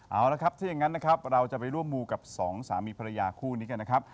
เอาละครับถ้าอย่างนั้นนะครับเราจะไปร่วมมูกับสองสามีภรรยาคู่นี้กันนะครับ